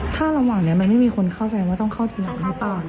ถ้าระหว่างนี้มันไม่มีคนเข้าใจว่าต้องเข้าถึงหลังหรือเปล่า